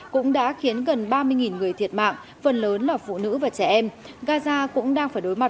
cũng đã khiến gần ba mươi người thiệt mạng phần lớn là phụ nữ và trẻ em gaza cũng đang phải đối mặt